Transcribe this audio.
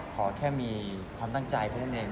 ขอแค่มีความตั้งใจเท่านั้นเอง